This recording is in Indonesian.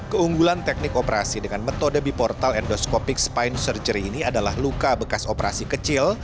keunggulan teknik operasi dengan metode biportal endoscopic spine surgery ini adalah luka bekas operasi kecil